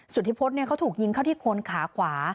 สุธิพฤษเขาถูกยิงเข้าที่โคนขาขวา